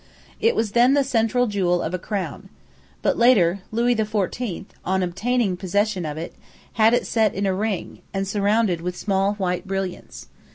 "It was then the central jewel of a crown. But later, Louis XIV, on obtaining possession of it, had it set in a ring, and surrounded with small white brilliants.